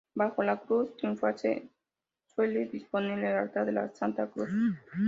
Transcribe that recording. Bajo la cruz triunfal se suele disponer el altar de la Santa Cruz.